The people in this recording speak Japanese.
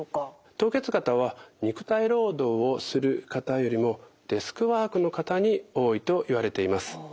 凍結肩は肉体労働をする方よりもデスクワークの方に多いといわれています。